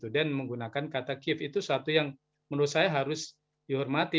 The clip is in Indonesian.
dan menggunakan kata kiev itu satu yang menurut saya harus dihormati